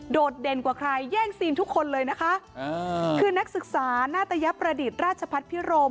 ดเด่นกว่าใครแย่งซีนทุกคนเลยนะคะอ่าคือนักศึกษานาตยประดิษฐ์ราชพัฒน์พิโรม